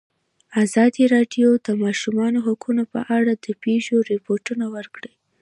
ازادي راډیو د د ماشومانو حقونه په اړه د پېښو رپوټونه ورکړي.